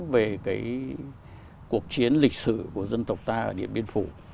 về cái cuộc chiến lịch sử của dân tộc ta ở điện biên phủ